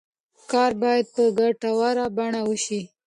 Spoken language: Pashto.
کار باید په ګټوره بڼه وشي.